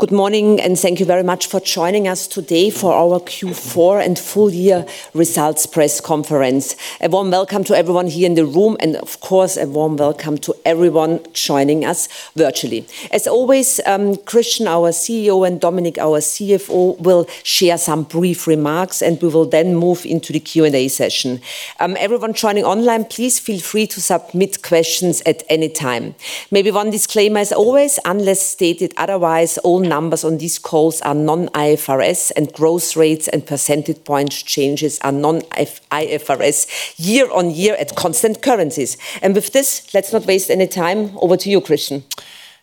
Good morning, and thank you very much for joining us today for our Q4 and full year results press conference. A warm welcome to everyone here in the room, and of course, a warm welcome to everyone joining us virtually. As always, Christian, our CEO, and Dominik, our CFO, will share some brief remarks, and we will then move into the Q&A session. Everyone joining online, please feel free to submit questions at any time. Maybe one disclaimer, as always, unless stated otherwise, all numbers on these calls are non-IFRS, and growth rates and percentage point changes are non-IFRS, year-on-year at constant currencies. With this, let's not waste any time. Over to you, Christian.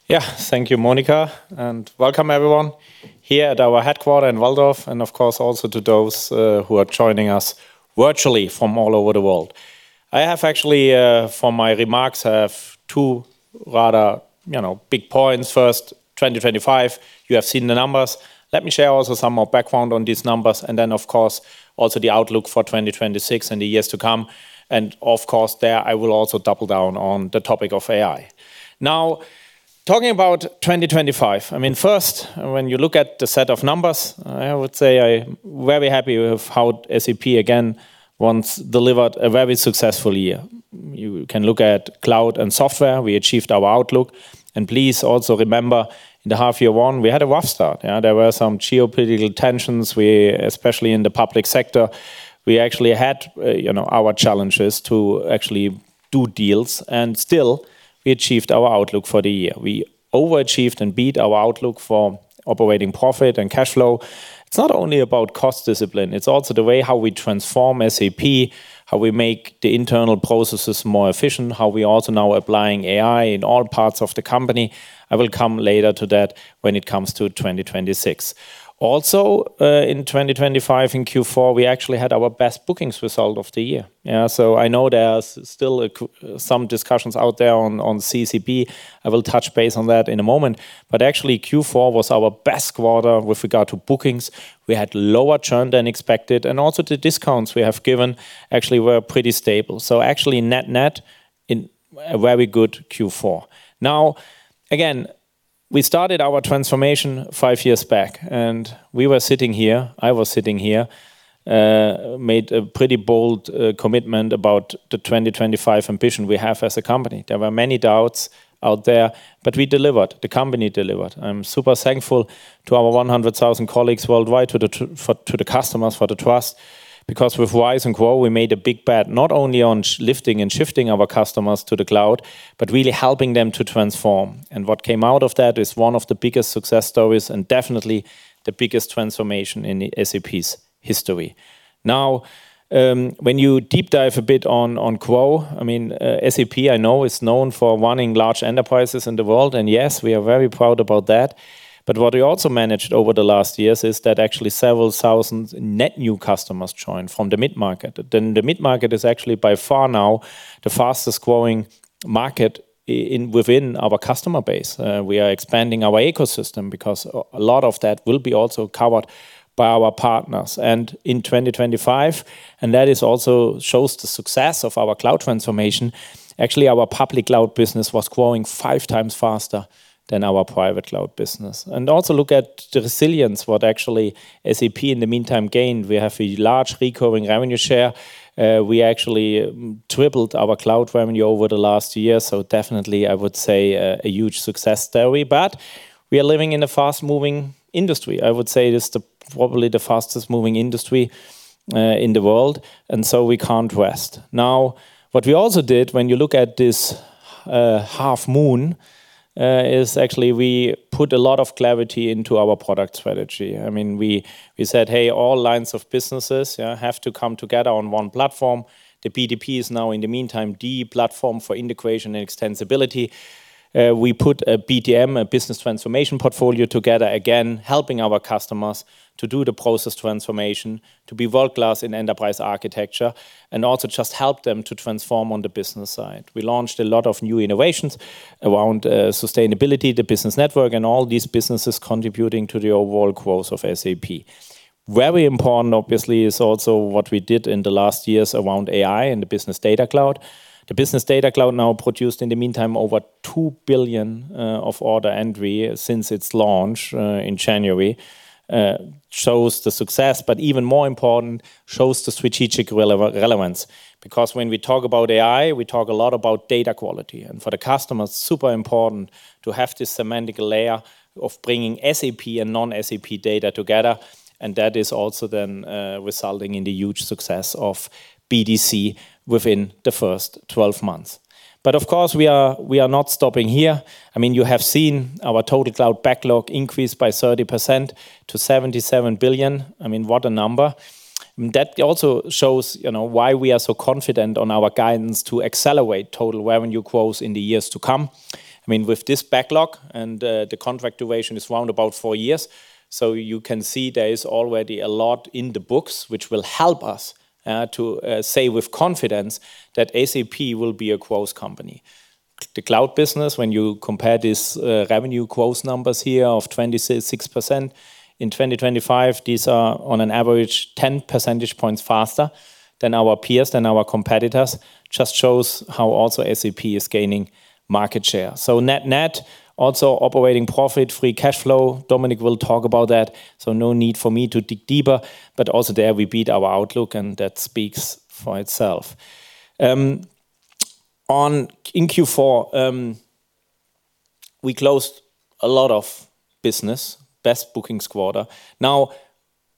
Yeah. Thank you, Monika, and welcome everyone here at our headquarters in Walldorf, and of course, also to those who are joining us virtually from all over the world. I have actually, for my remarks, I have two rather, you know, big points. First, 2025, you have seen the numbers. Let me share also some more background on these numbers, and then, of course, also the outlook for 2026 and the years to come. And of course, there I will also double down on the topic of AI. Now, talking about 2025, I mean, first, when you look at the set of numbers, I would say I'm very happy with how SAP again once delivered a very successful year. You can look at cloud and software. We achieved our outlook. And please also remember, in the half year one, we had a rough start. Yeah, there were some geopolitical tensions. We... Especially in the public sector, we actually had, you know, our challenges to actually do deals, and still we achieved our outlook for the year. We overachieved and beat our outlook for operating profit and cash flow. It's not only about cost discipline, it's also the way how we transform SAP, how we make the internal processes more efficient, how we also now applying AI in all parts of the company. I will come later to that when it comes to 2026. Also, in 2025, in Q4, we actually had our best bookings result of the year. Yeah, so I know there's still some discussions out there on, on CCB. I will touch base on that in a moment, but actually, Q4 was our best quarter with regard to bookings. We had lower churn than expected, and also the discounts we have given actually were pretty stable. So actually, net, net, in a very good Q4. Now, again, we started our transformation five years back, and we were sitting here, I was sitting here, made a pretty bold commitment about the 2025 ambition we have as a company. There were many doubts out there, but we delivered. The company delivered. I'm super thankful to our 100,000 colleagues worldwide, to the team, to the customers, for the trust, because with RISE and GROW, we made a big bet, not only on lifting and shifting our customers to the cloud, but really helping them to transform. And what came out of that is one of the biggest success stories, and definitely the biggest transformation in SAP's history. Now, when you deep dive a bit on GROW, I mean, SAP, I know, is known for running large enterprises in the world, and yes, we are very proud about that. But what we also managed over the last years is that actually several thousands net new customers joined from the mid-market. Then the mid-market is actually by far now the fastest growing market in within our customer base. We are expanding our ecosystem because a lot of that will be also covered by our partners. And in 2025, and that is also shows the success of our cloud transformation, actually, our public cloud business was growing five times faster than our private cloud business. And also look at the resilience, what actually SAP in the meantime gained. We have a large recovering revenue share. We actually tripled our cloud revenue over the last year, so definitely I would say a huge success story, but we are living in a fast-moving industry. I would say it is probably the fastest moving industry in the world, and so we can't rest. Now, what we also did, when you look at this half moon, is actually we put a lot of clarity into our product strategy. I mean, we said, "Hey, all lines of businesses, yeah, have to come together on one platform." The BTP is now, in the meantime, the platform for integration and extensibility. We put a BPM, a business transformation portfolio together, again, helping our customers to do the process transformation, to be world-class in enterprise architecture, and also just help them to transform on the business side. We launched a lot of new innovations around sustainability, the Business Network, and all these businesses contributing to the overall growth of SAP. Very important, obviously, is also what we did in the last years around AI and the Business Data Cloud. The Business Data Cloud now produced, in the meantime, over 2 billion of order entry since its launch in January. Shows the success, but even more important, shows the strategic relevance. Because when we talk about AI, we talk a lot about data quality, and for the customers, super important to have this semantic layer of bringing SAP and non-SAP data together, and that is also then resulting in the huge success of BDC within the first 12 months. But of course, we are, we are not stopping here. I mean, you have seen our total cloud backlog increase by 30% to 77 billion. I mean, what a number! And that also shows, you know, why we are so confident on our guidance to accelerate total revenue growth in the years to come. I mean, with this backlog and the contract duration is around about four years. So you can see there is already a lot in the books which will help us to say with confidence that SAP will be a growth company. The cloud business, when you compare these revenue growth numbers here of 26%. In 2025, these are on an average 10 percentage points faster than our peers, than our competitors. Just shows how also SAP is gaining market share. So net-net, also operating profit, free cash flow, Dominik will talk about that, so no need for me to dig deeper, but also there we beat our outlook, and that speaks for itself. In Q4, we closed a lot of business. Best bookings quarter. Now,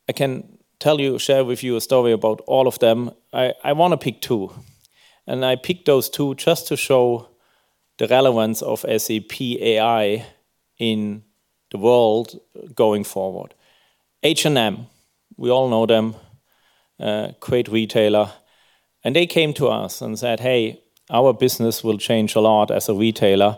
I can tell you, share with you a story about all of them. I, I want to pick two, and I picked those two just to show the relevance of SAP AI in the world going forward. H&M, we all know them, great retailer, and they came to us and said: "Hey, our business will change a lot as a retailer."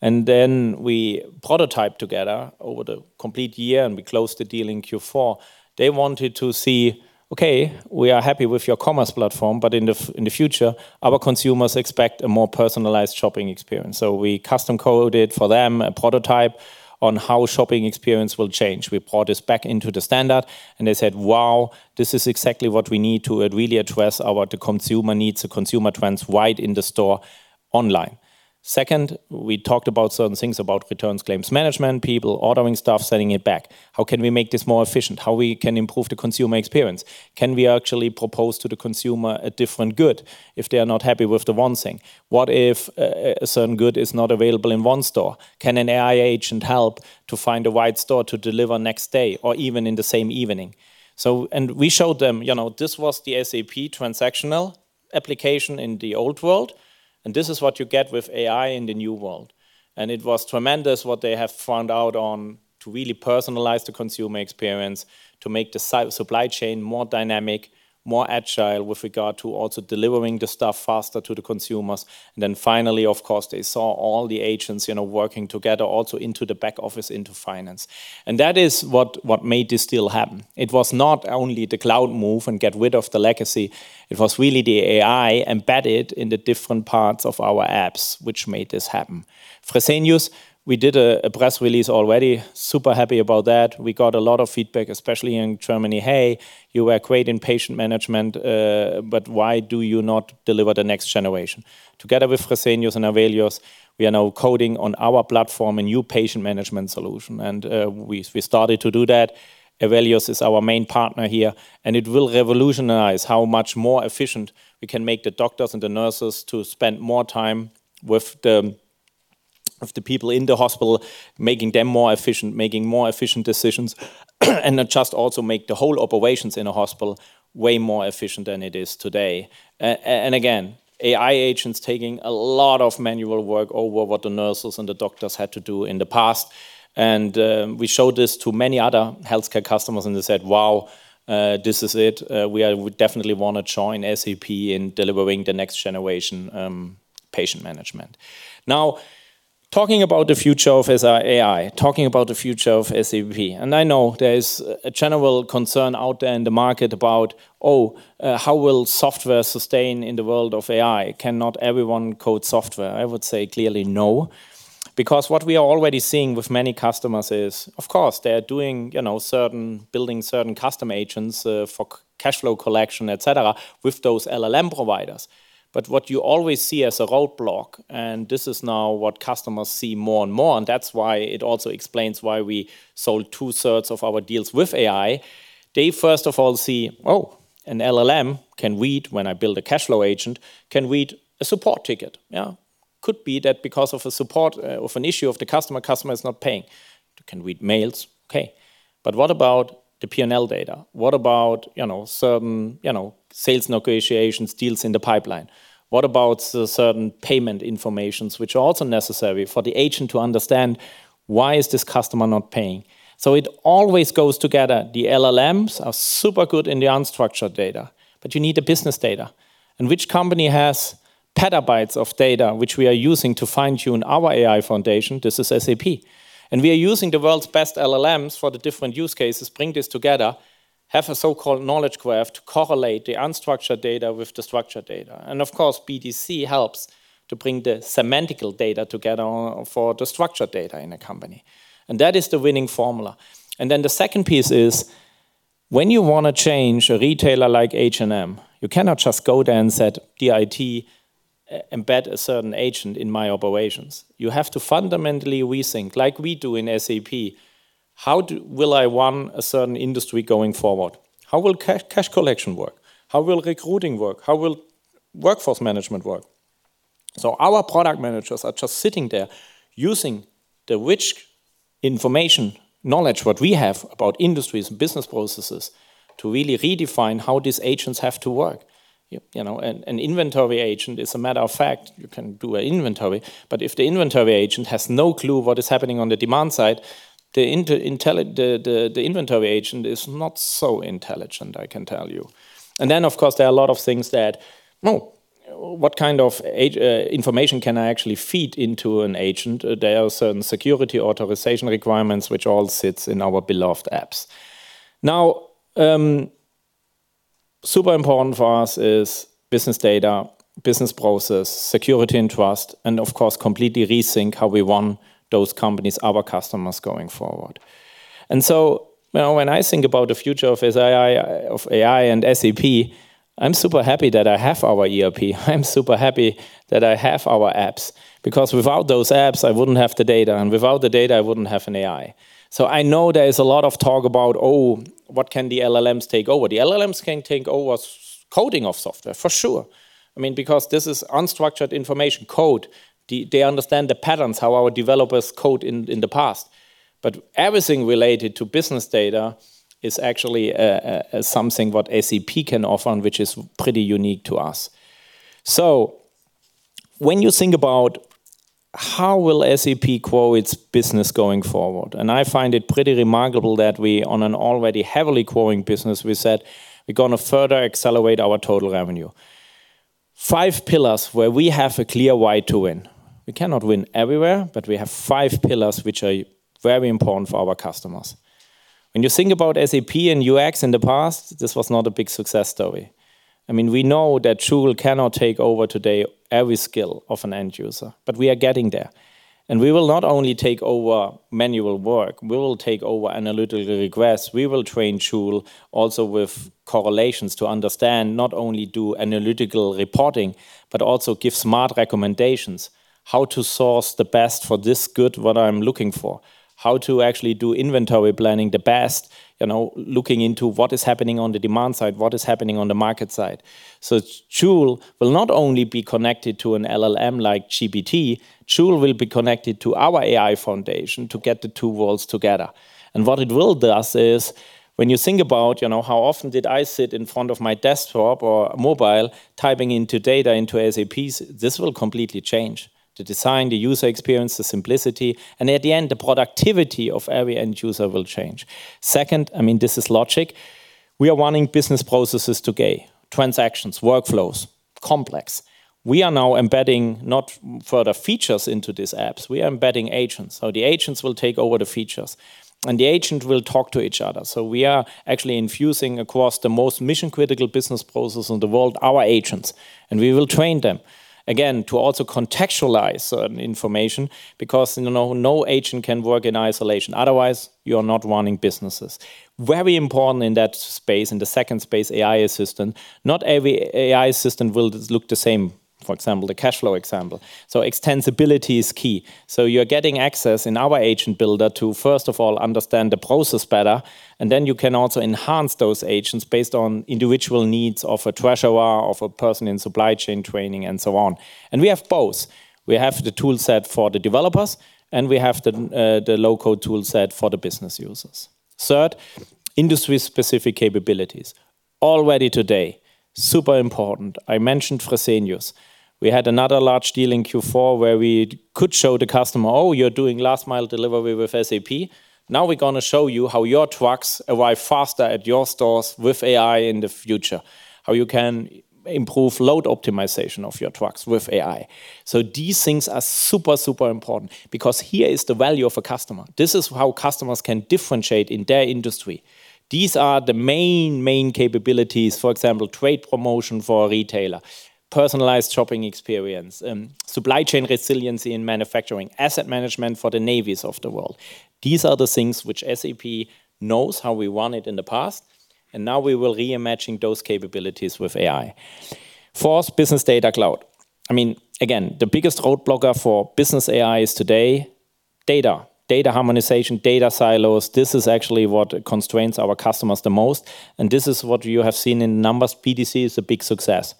And then we prototyped together over the complete year, and we closed the deal in Q4. They wanted to see, "Okay, we are happy with your commerce platform, but in the future, our consumers expect a more personalized shopping experience." So we custom-coded for them a prototype on how shopping experience will change. We brought this back into the standard, and they said: "Wow, this is exactly what we need to really address our, the consumer needs, the consumer trends wide in the store online." Second, we talked about certain things about returns, claims management, people ordering stuff, sending it back. How can we make this more efficient? How we can improve the consumer experience? Can we actually propose to the consumer a different good if they are not happy with the one thing? What if a certain good is not available in one store? Can an AI agent help to find the right store to deliver next day or even in the same evening? So, we showed them, you know, this was the SAP transactional application in the old world, and this is what you get with AI in the new world. And it was tremendous what they have found out how to really personalize the consumer experience, to make the supply chain more dynamic, more agile with regard to also delivering the stuff faster to the consumers. And then finally, of course, they saw all the agents, you know, working together also into the back office, into finance. And that is what made this deal happen. It was not only the cloud move and get rid of the legacy, it was really the AI embedded in the different parts of our apps, which made this happen. Fresenius, we did a press release already. Super happy about that. We got a lot of feedback, especially in Germany. "Hey, you were great in patient management, but why do you not deliver the next generation?" Together with Fresenius and Avelios, we are now coding on our platform a new patient management solution, and we started to do that. Avelios is our main partner here, and it will revolutionize how much more efficient we can make the doctors and the nurses to spend more time with the people in the hospital, making them more efficient, making more efficient decisions, and then just also make the whole operations in a hospital way more efficient than it is today. And again, AI agents taking a lot of manual work over what the nurses and the doctors had to do in the past. We showed this to many other healthcare customers, and they said: "Wow, this is it. We would definitely want to join SAP in delivering the next generation patient management." Now, talking about the future of SAP AI, talking about the future of SAP, and I know there is a general concern out there in the market about how will software sustain in the world of AI? Cannot everyone code software? I would say clearly, no. Because what we are already seeing with many customers is, of course, they are doing, you know, certain building certain custom agents for cash flow collection, et cetera, with those LLM providers. But what you always see as a roadblock, and this is now what customers see more and more, and that's why it also explains why we sold two-thirds of our deals with AI. They first of all see, oh, an LLM can read when I build a cash flow agent, can read a support ticket. Yeah. Could be that because of a support of an issue of the customer, customer is not paying. It can read mails, okay, but what about the P&L data? What about, you know, certain, you know, sales negotiations, deals in the pipeline? What about certain payment information, which are also necessary for the agent to understand why is this customer not paying? So it always goes together. The LLMs are super good in the unstructured data, but you need the business data. And which company has petabytes of data, which we are using to fine-tune our AI Foundation? This is SAP, and we are using the world's best LLMs for the different use cases, bring this together, have a so-called knowledge graph to correlate the unstructured data with the structured data. And of course, BDC helps to bring the semantical data together for the structured data in a company. And that is the winning formula. And then the second piece is, when you want to change a retailer like H&M, you cannot just go there and say, "do it, embed a certain agent in my operations." You have to fundamentally rethink, like we do in SAP, how will I run a certain industry going forward? How will cash collection work? How will recruiting work? How will workforce management work? So our product managers are just sitting there using the rich information, knowledge what we have about industries and business processes, to really redefine how these agents have to work. You know, an inventory agent is a matter of fact, you can do an inventory, but if the inventory agent has no clue what is happening on the demand side, the inventory agent is not so intelligent, I can tell you. And then, of course, there are a lot of things that what kind of a information can I actually feed into an agent? There are certain security authorization requirements which all sits in our beloved apps. Now, super important for us is business data, business process, security and trust, and of course, completely rethink how we want those companies, our customers, going forward. And so, you know, when I think about the future of AI and SAP, I'm super happy that I have our ERP. I'm super happy that I have our apps, because without those apps, I wouldn't have the data, and without the data, I wouldn't have an AI. So I know there is a lot of talk about, oh, what can the LLMs take over? The LLMs can take over coding of software, for sure. I mean, because this is unstructured information, code. They understand the patterns, how our developers code in the past. But everything related to business data is actually something what SAP can offer, and which is pretty unique to us. So when you think about how will SAP grow its business going forward? I find it pretty remarkable that we, on an already heavily growing business, we said we're gonna further accelerate our total revenue. Five pillars where we have a clear way to win. We cannot win everywhere, but we have five pillars which are very important for our customers. When you think about SAP and UX in the past, this was not a big success story. I mean, we know that Joule cannot take over today every skill of an end user, but we are getting there. We will not only take over manual work, we will take over analytical requests. We will train Joule also with correlations to understand, not only do analytical reporting, but also give smart recommendations, how to source the best for this good, what I'm looking for, how to actually do inventory planning the best, you know, looking into what is happening on the demand side, what is happening on the market side. So Joule will not only be connected to an LLM like GPT, Joule will be connected to our AI Foundation to get the two worlds together. And what it will do us is, when you think about, you know, how often did I sit in front of my desktop or mobile, typing into data into SAPs, this will completely change. The design, the user experience, the simplicity, and at the end, the productivity of every end user will change. Second, I mean, this is logic. We are wanting business processes today, transactions, workflows, complex. We are now embedding not further features into these apps, we are embedding agents. So the agents will take over the features, and the agent will talk to each other. So we are actually infusing across the most mission-critical business processes in the world, our agents, and we will train them, again, to also contextualize, information, because, you know, no agent can work in isolation, otherwise, you are not running businesses. Very important in that space, in the second space, AI assistant. Not every AI assistant will look the same, for example, the cash flow example. So extensibility is key. So you're getting access in our agent builder to, first of all, understand the process better, and then you can also enhance those agents based on individual needs of a treasurer, of a person in supply chain training, and so on. And we have both. We have the toolset for the developers, and we have the low-code toolset for the business users. Third, industry-specific capabilities. Already today, super important. I mentioned Fresenius. We had another large deal in Q4, where we could show the customer, "Oh, you're doing last-mile delivery with SAP. Now we're gonna show you how your trucks arrive faster at your stores with AI in the future, how you can improve load optimization of your trucks with AI." So these things are super, super important because here is the value of a customer. This is how customers can differentiate in their industry. These are the main, main capabilities. For example, trade promotion for a retailer, personalized shopping experience, supply chain resiliency in manufacturing, asset management for the navies of the world. These are the things which SAP knows how we want it in the past, and now we will re-imagine those capabilities with AI. Fourth, Business Data Cloud. I mean, again, the biggest roadblock for business AI is today, data, data harmonization, data silos. This is actually what constraints our customers the most, and this is what you have seen in numbers. BDC is a big success.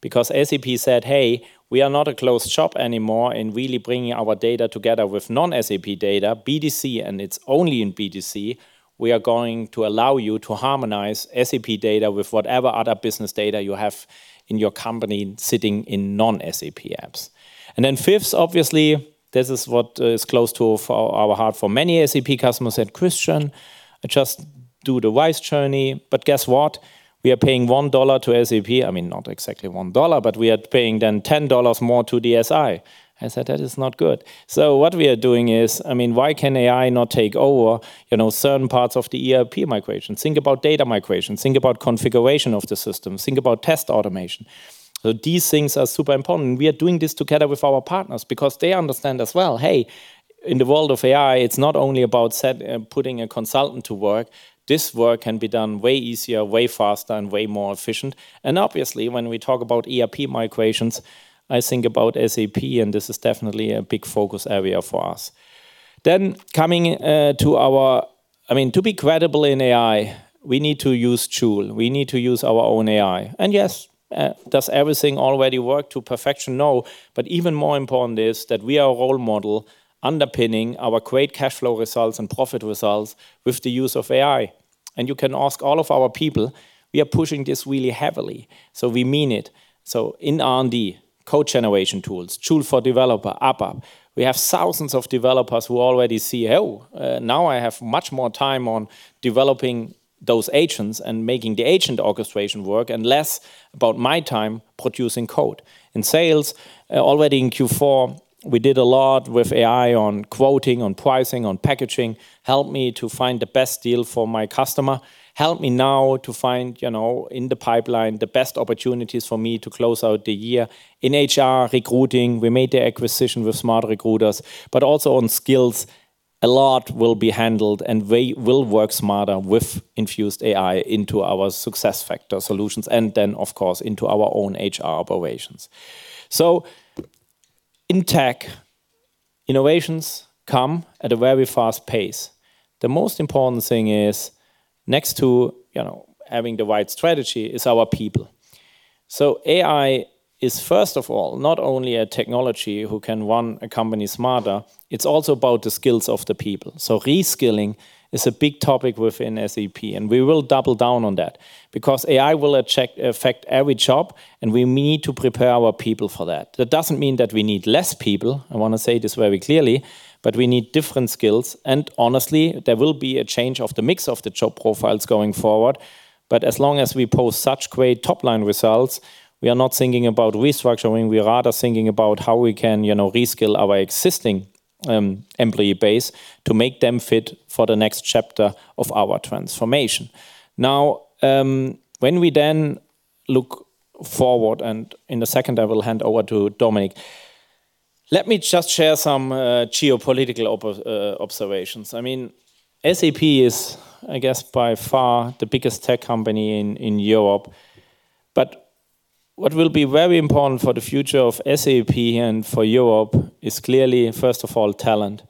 Because SAP said, "Hey, we are not a closed shop anymore in really bringing our data together with non-SAP data." BDC, and it's only in BDC, we are going to allow you to harmonize SAP data with whatever other business data you have in your company sitting in non-SAP apps. And then fifth, obviously, this is what is close to our heart for many SAP customers, said, "Christian, just do the RISE journey, but guess what? We are paying $1 to SAP." I mean, not exactly $1, but we are paying then $10 more to the SI. I said, "That is not good." So what we are doing is... I mean, why can AI not take over, you know, certain parts of the ERP migration? Think about data migration. Think about configuration of the system. Think about test automation. So these things are super important, and we are doing this together with our partners because they understand as well, hey, in the world of AI, it's not only about set, putting a consultant to work. This work can be done way easier, way faster, and way more efficient. Obviously, when we talk about ERP migrations, I think about SAP, and this is definitely a big focus area for us. Then coming, I mean, to be credible in AI, we need to use Joule. We need to use our own AI. And yes, does everything already work to perfection? No. But even more important is that we are a role model underpinning our great cash flow results and profit results with the use of AI. And you can ask all of our people, we are pushing this really heavily, so we mean it. So in R&D, code generation tools, Joule for developer, ABAP, we have thousands of developers who already see, "Oh, now I have much more time on developing those agents and making the agent orchestration work, and less about my time producing code." In sales, already in Q4, we did a lot with AI on quoting, on pricing, on packaging, help me to find the best deal for my customer, help me now to find, you know, in the pipeline, the best opportunities for me to close out the year. In HR recruiting, we made the acquisition with SmartRecruiters, but also on skills. A lot will be handled, and we will work smarter with infused AI into our SuccessFactors solutions, and then, of course, into our own HR operations. So in tech, innovations come at a very fast pace. The most important thing is, next to, you know, having the right strategy, is our people. So AI is, first of all, not only a technology who can run a company smarter, it's also about the skills of the people. So reskilling is a big topic within SAP, and we will double down on that because AI will affect, affect every job, and we need to prepare our people for that. That doesn't mean that we need less people, I wanna say this very clearly, but we need different skills. And honestly, there will be a change of the mix of the job profiles going forward. But as long as we post such great top-line results, we are not thinking about restructuring. We are rather thinking about how we can, you know, reskill our existing employee base to make them fit for the next chapter of our transformation. Now, when we then look forward, and in a second, I will hand over to Dominik. Let me just share some geopolitical observations. I mean, SAP is, I guess, by far the biggest tech company in Europe. But what will be very important for the future of SAP and for Europe is clearly, first of all, talent.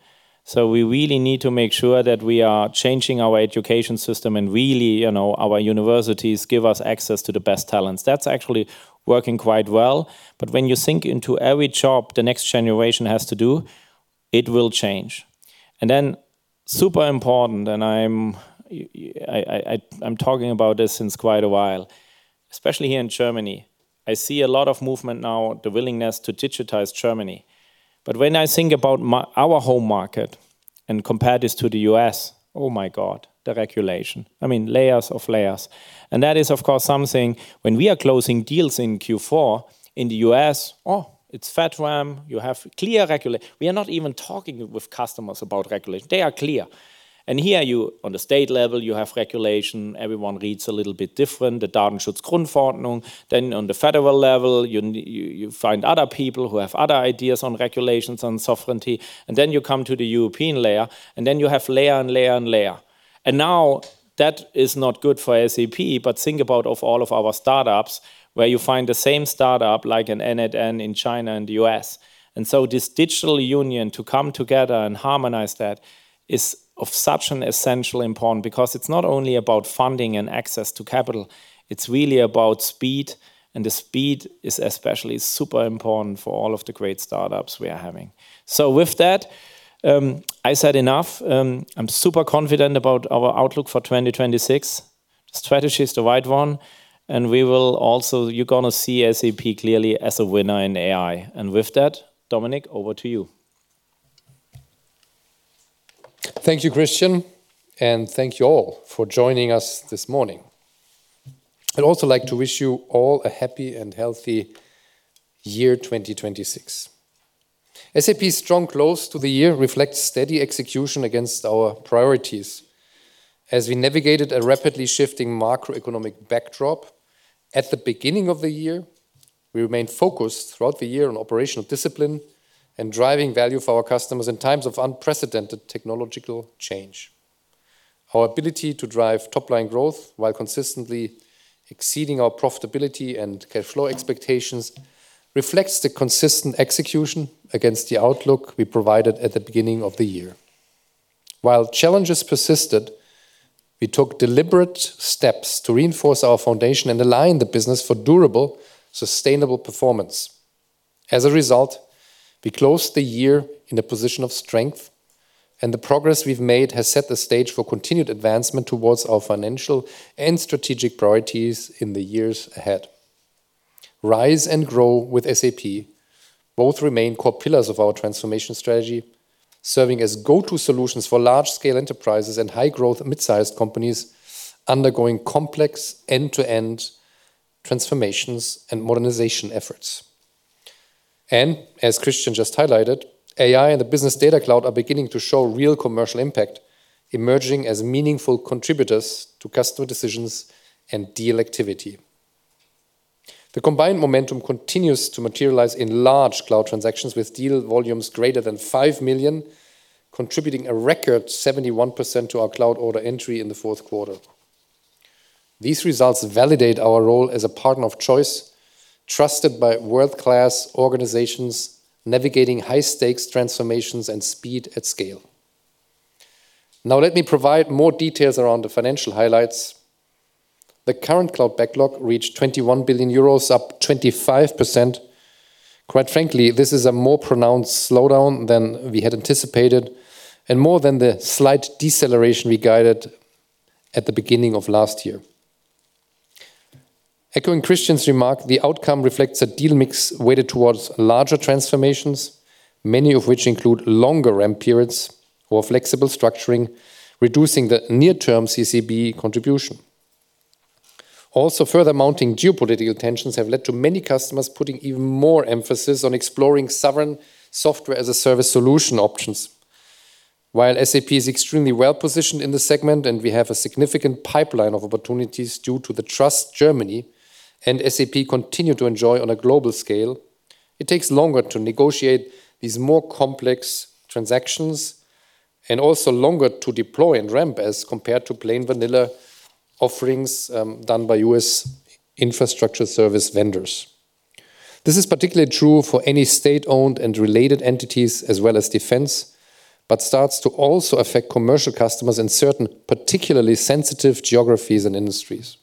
So we really need to make sure that we are changing our education system and really, you know, our universities give us access to the best talents. That's actually working quite well. But when you think into every job the next generation has to do, it will change. And then, super important, and I'm talking about this since quite a while, especially here in Germany, I see a lot of movement now, the willingness to digitize Germany. But when I think about our home market and compare this to the U.S., oh, my God, the regulation! I mean, layers of layers. And that is, of course, something when we are closing deals in Q4, in the U.S., oh, it's FedRAMP, you have clear regulation. We are not even talking with customers about regulation. They are clear. And here, you, on the state level, you have regulation. Everyone reads a little bit different. Then on the federal level, you, you find other people who have other ideas on regulations, on sovereignty, and then you come to the European layer, and then you have layer and layer and layer. And now, that is not good for SAP, but think about of all of our startups, where you find the same startup, like an LLM in China and the U.S. And so this digital union to come together and harmonize that is of such an essential important, because it's not only about funding and access to capital, it's really about speed, and the speed is especially super important for all of the great startups we are having. So with that, I said enough. I'm super confident about our outlook for 2026. Strategy is the right one, and we will also—you're gonna see SAP clearly as a winner in AI. And with that, Dominik, over to you. Thank you, Christian, and thank you all for joining us this morning. I'd also like to wish you all a happy and healthy year 2026. SAP's strong close to the year reflects steady execution against our priorities as we navigated a rapidly shifting macroeconomic backdrop. At the beginning of the year, we remained focused throughout the year on operational discipline and driving value for our customers in times of unprecedented technological change. Our ability to drive top-line growth while consistently exceeding our profitability and cash flow expectations, reflects the consistent execution against the outlook we provided at the beginning of the year. While challenges persisted, we took deliberate steps to reinforce our foundation and align the business for durable, sustainable performance. As a result, we closed the year in a position of strength, and the progress we've made has set the stage for continued advancement towards our financial and strategic priorities in the years ahead. RISE and GROW with SAP. Both remain core pillars of our transformation strategy, serving as go-to solutions for large-scale enterprises and high-growth mid-sized companies undergoing complex end-to-end transformations and modernization efforts. And as Christian just highlighted, AI and the Business Data Cloud are beginning to show real commercial impact, emerging as meaningful contributors to customer decisions and deal activity. The combined momentum continues to materialize in large cloud transactions, with deal volumes greater than 5 million, contributing a record 71% to our cloud order entry in the fourth quarter. These results validate our role as a partner of choice, trusted by world-class organizations, navigating high-stakes transformations and speed at scale. Now, let me provide more details around the financial highlights. The current cloud backlog reached 21 billion euros, up 25%. Quite frankly, this is a more pronounced slowdown than we had anticipated, and more than the slight deceleration we guided at the beginning of last year. Echoing Christian's remark, the outcome reflects a deal mix weighted towards larger transformations, many of which include longer ramp periods or flexible structuring, reducing the near-term CCB contribution. Also, further mounting geopolitical tensions have led to many customers putting even more emphasis on exploring sovereign software-as-a-service solution options. While SAP is extremely well-positioned in this segment, and we have a significant pipeline of opportunities due to the trust Germany and SAP continue to enjoy on a global scale.... It takes longer to negotiate these more complex transactions, and also longer to deploy and ramp as compared to plain vanilla offerings done by U.S. infrastructure service vendors. This is particularly true for any state-owned and related entities as well as defense, but starts to also affect commercial customers in certain particularly sensitive geographies and industries.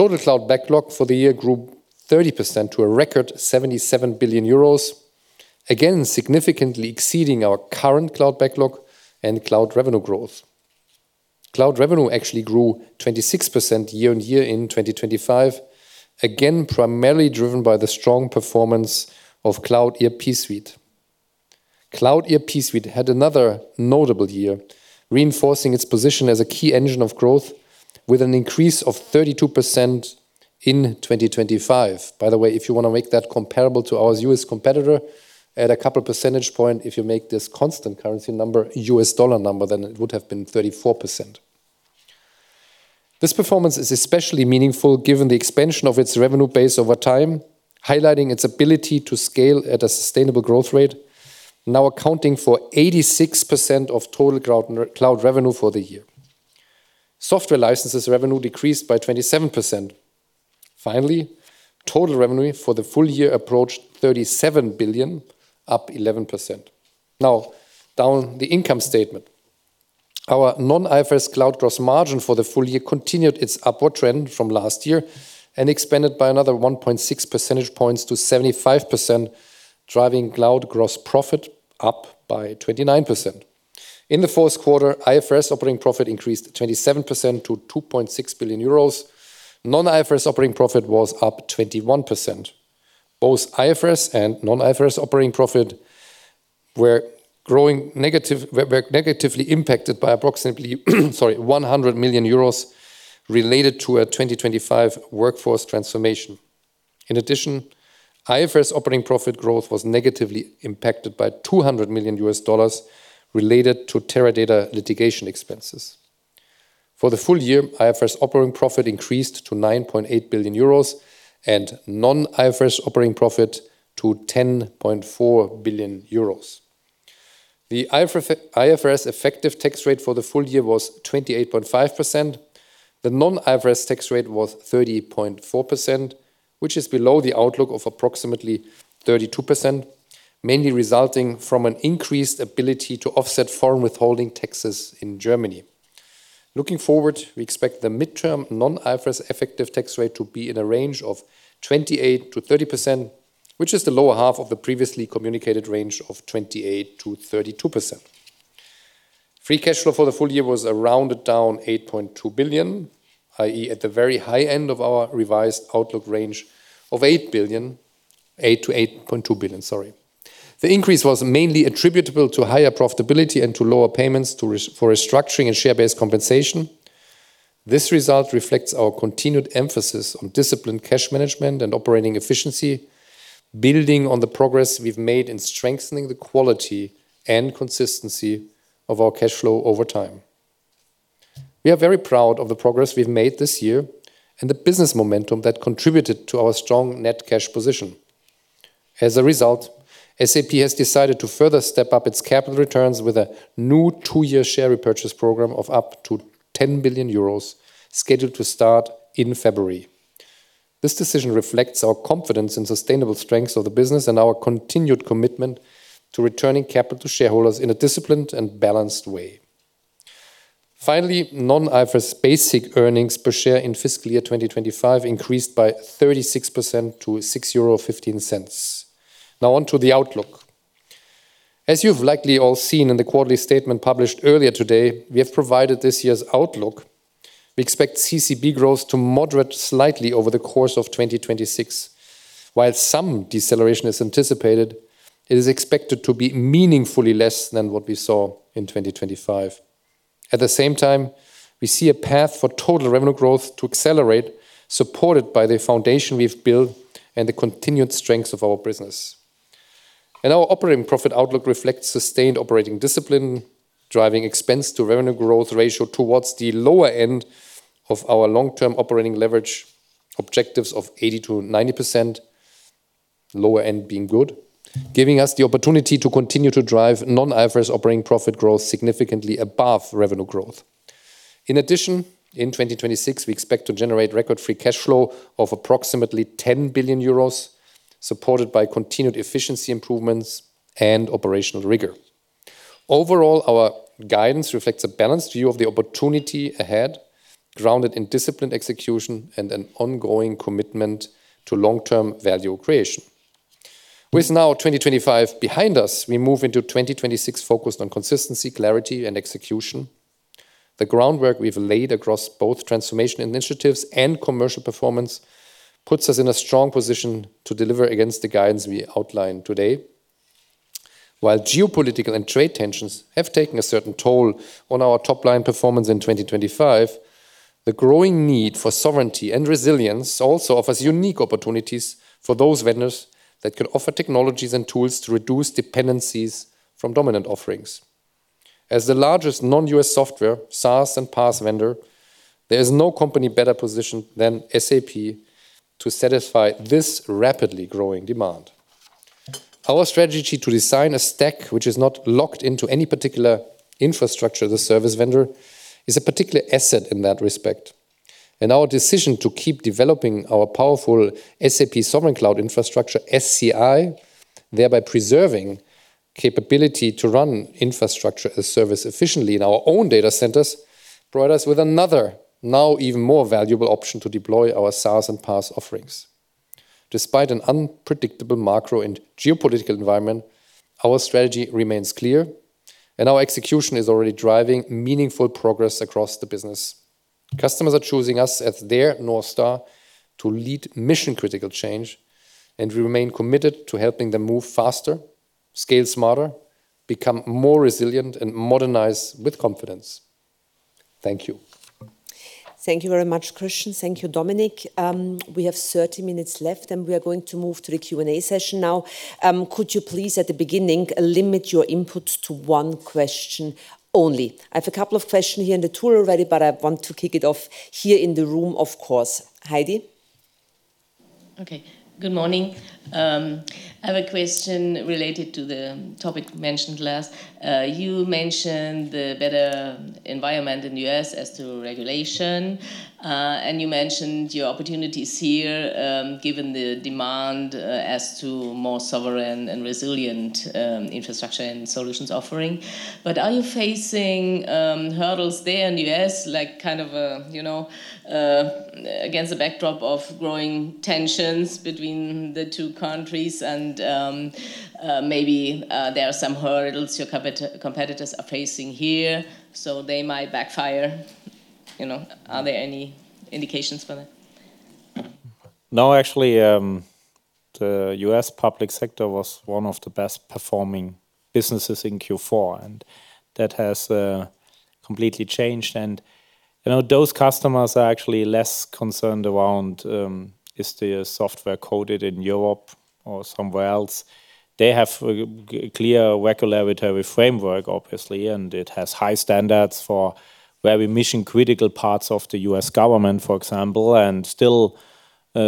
Total cloud backlog for the year grew 30% to a record 77 billion euros, again, significantly exceeding our current cloud backlog and cloud revenue growth. Cloud revenue actually grew 26% year-on-year in 2025, again, primarily driven by the strong performance of Cloud ERP Suite. Cloud ERP Suite had another notable year, reinforcing its position as a key engine of growth with an increase of 32% in 2025. By the way, if you want to make that comparable to our U.S. competitor, add a couple percentage point. If you make this constant currency number a US dollar number, then it would have been 34%. This performance is especially meaningful given the expansion of its revenue base over time, highlighting its ability to scale at a sustainable growth rate, now accounting for 86% of total cloud revenue for the year. Software licenses revenue decreased by 27%. Finally, total revenue for the full year approached 37 billion, up 11%. Now, down the income statement. Our non-IFRS cloud gross margin for the full year continued its upward trend from last year and expanded by another 1.6 percentage points to 75%, driving cloud gross profit up by 29%. In the fourth quarter, IFRS operating profit increased 27% to 2.6 billion euros. Non-IFRS operating profit was up 21%. Both IFRS and non-IFRS operating profit were negatively impacted by approximately 100 million euros related to a 2025 workforce transformation. In addition, IFRS operating profit growth was negatively impacted by $200 million related to Teradata litigation expenses. For the full year, IFRS operating profit increased to 9.8 billion euros and non-IFRS operating profit to 10.4 billion euros. The IFRS effective tax rate for the full year was 28.5%. The non-IFRS tax rate was 30.4%, which is below the outlook of approximately 32%, mainly resulting from an increased ability to offset foreign withholding taxes in Germany. Looking forward, we expect the midterm non-IFRS effective tax rate to be in a range of 28%-30%, which is the lower half of the previously communicated range of 28%-32%. Free cash flow for the full year was a rounded down 8.2 billion, i.e., at the very high end of our revised outlook range of 8 billion to 8.2 billion, sorry. The increase was mainly attributable to higher profitability and to lower payments to reserves for restructuring and share-based compensation. This result reflects our continued emphasis on disciplined cash management and operating efficiency, building on the progress we've made in strengthening the quality and consistency of our cash flow over time. We are very proud of the progress we've made this year and the business momentum that contributed to our strong net cash position. As a result, SAP has decided to further step up its capital returns with a new two-year share repurchase program of up to 10 billion euros, scheduled to start in February. This decision reflects our confidence in sustainable strengths of the business and our continued commitment to returning capital to shareholders in a disciplined and balanced way. Finally, non-IFRS basic earnings per share in fiscal year 2025 increased by 36% to €6.15. Now on to the outlook. As you've likely all seen in the quarterly statement published earlier today, we have provided this year's outlook. We expect CCB growth to moderate slightly over the course of 2026. While some deceleration is anticipated, it is expected to be meaningfully less than what we saw in 2025. At the same time, we see a path for total revenue growth to accelerate, supported by the foundation we've built and the continued strengths of our business. Our operating profit outlook reflects sustained operating discipline, driving expense to revenue growth ratio towards the lower end of our long-term operating leverage objectives of 80%-90%, lower end being good, giving us the opportunity to continue to drive non-IFRS operating profit growth significantly above revenue growth. In addition, in 2026, we expect to generate record free cash flow of approximately 10 billion euros, supported by continued efficiency improvements and operational rigor. Overall, our guidance reflects a balanced view of the opportunity ahead, grounded in disciplined execution and an ongoing commitment to long-term value creation. With now 2025 behind us, we move into 2026 focused on consistency, clarity, and execution. The groundwork we've laid across both transformation initiatives and commercial performance puts us in a strong position to deliver against the guidance we outlined today. While geopolitical and trade tensions have taken a certain toll on our top-line performance in 2025, the growing need for sovereignty and resilience also offers unique opportunities for those vendors that can offer technologies and tools to reduce dependencies from dominant offerings. As the largest non-US software, SaaS, and PaaS vendor, there is no company better positioned than SAP to satisfy this rapidly growing demand. Our strategy to design a stack which is not locked into any particular infrastructure as a service vendor, is a particular asset in that respect. Our decision to keep developing our powerful SAP Sovereign Cloud Infrastructure, SCI, thereby preserving capability to run infrastructure as service efficiently in our own data centers, provided us with another, now even more valuable option to deploy our SaaS and PaaS offerings. Despite an unpredictable macro and geopolitical environment, our strategy remains clear, and our execution is already driving meaningful progress across the business. Customers are choosing us as their North Star to lead mission-critical change, and we remain committed to helping them move faster, scale smarter, become more resilient, and modernize with confidence. Thank you. Thank you very much, Christian. Thank you, Dominik. We have 30 minutes left, and we are going to move to the Q&A session now. Could you please, at the beginning, limit your input to one question only? I have a couple of questions here in the tool already, but I want to kick it off here in the room, of course. Heidi? Okay, good morning. I have a question related to the topic mentioned last. You mentioned the better environment in U.S. as to regulation, and you mentioned your opportunities here, given the demand, as to more sovereign and resilient infrastructure and solutions offering. But are you facing hurdles there in U.S., like, kind of a, you know, against the backdrop of growing tensions between the two countries and maybe there are some hurdles your competitors are facing here, so they might backfire, you know? Are there any indications for that? No, actually, the U.S. public sector was one of the best performing businesses in Q4, and that has completely changed. And, you know, those customers are actually less concerned around is the software coded in Europe or somewhere else. They have a clear regulatory framework, obviously, and it has high standards for very mission-critical parts of the U.S. government, for example, and still